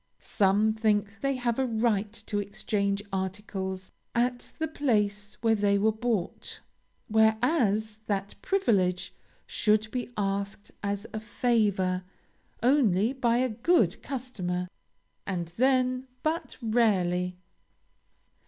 Some think they have a right to exchange articles at the place where they were bought; whereas that privilege should be asked as a favor, only by a good customer, and then but rarely.